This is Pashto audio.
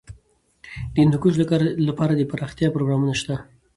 د هندوکش لپاره دپرمختیا پروګرامونه شته.